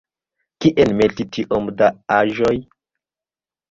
Kien meti tiom da aĵoj?